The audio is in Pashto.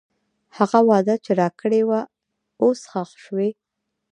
هغه وعده چې راکړې وه، اوس ښخ شوې.